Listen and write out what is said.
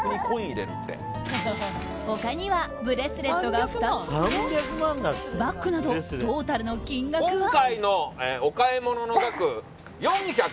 他には、ブレスレットが２つとバッグなどトータルの金額は。